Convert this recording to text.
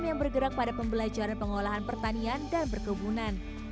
yang bergerak pada pembelajaran pengolahan pertanian dan berkebunan